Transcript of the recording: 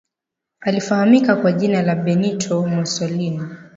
alifahamika kwa jina la Benito Musolini